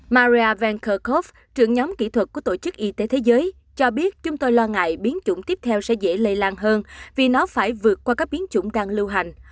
mara venkav trưởng nhóm kỹ thuật của tổ chức y tế thế giới cho biết chúng tôi lo ngại biến chủng tiếp theo sẽ dễ lây lan hơn vì nó phải vượt qua các biến chủng đang lưu hành